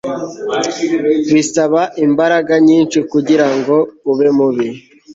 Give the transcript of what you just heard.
bisaba imbaraga nyinshi kugirango ube mubi